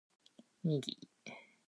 ミギー